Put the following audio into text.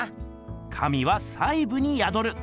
「神は細ぶにやどる」です。